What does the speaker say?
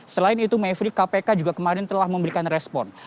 selain itu mevri kpk juga kemarin telah memberikan respon